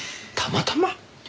たまたま！？